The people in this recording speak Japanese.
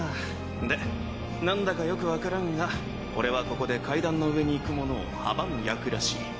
でなんだかよく分からんが俺はここで階段の上に行く者を阻む役らしい。